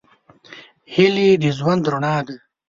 هیلې د ژوند رڼا ده.